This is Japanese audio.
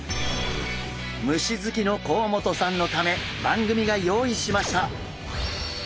虫好きの甲本さんのため番組が用意しました。